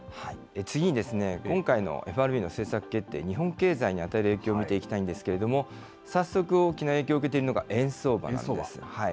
次に、今回のＦＲＢの政策決定、日本経済に与える影響を見ていきたいんですけれども、早速、大きな影響を受けているのが円相場なんです。